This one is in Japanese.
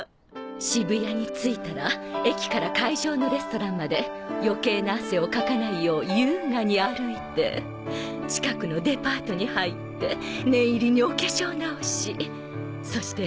渋谷に着いたら駅から会場のレストランまで余計な汗をかかないよう優雅に歩いて近くのデパートに入って念入りにお化粧直しそして